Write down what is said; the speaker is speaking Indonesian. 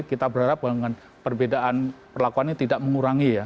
kita berharap dengan perbedaan perlakuannya tidak mengurangi ya